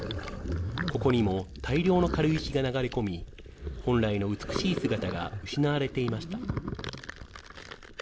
ここにも大量の軽石が流れ込み、本来の美しい姿が失われていました。